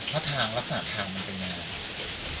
ลักษณะทางมันเป็นยังไง